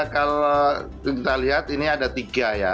kalau kita lihat ini ada tiga ya